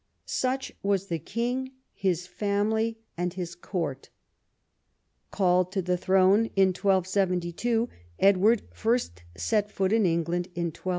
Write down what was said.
Such was the king, his family, and his court. Called to the throne in 1272, Edward first set foot in England in 1274.